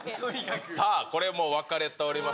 さあ、これも分かれております。